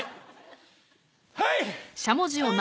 はい！